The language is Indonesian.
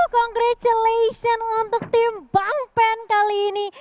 congratulation untuk tim bang pen kali ini